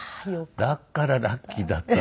だからラッキーだったのよ。